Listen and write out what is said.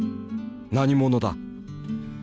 「何者だ」。